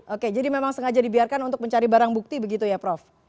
oke jadi memang sengaja dibiarkan untuk mencari barang bukti begitu ya prof